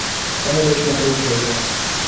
کم و بیش متروک ہو گیا ہے